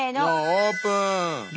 オープン！